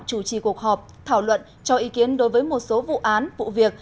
chủ trì cuộc họp thảo luận cho ý kiến đối với một số vụ án vụ việc